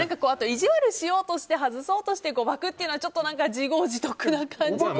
意地悪しようとして外そうとして誤爆というのはちょっと自業自得な感じも。